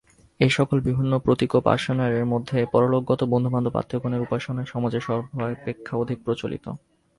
এই-সকল বিভিন্ন প্রতীকোপাসনার মধ্যে পরলোকগত বন্ধুবান্ধব আত্মীয়গণের উপাসনাই সমাজে সর্বাপেক্ষা অধিক প্রচলিত।